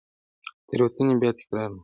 تېروتنې بیا تکرار نه کړو.